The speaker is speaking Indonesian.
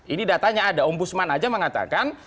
ini datanya ada om busman aja mengatakan